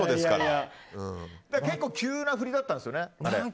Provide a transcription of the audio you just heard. あれ、結構急な振りだったんですよね。